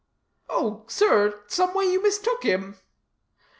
"Oh, sir, some way you mistook him."